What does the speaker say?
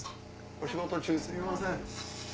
お仕事中にすみません。